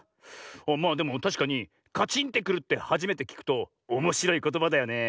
まあでもたしかにカチンってくるってはじめてきくとおもしろいことばだよねえ。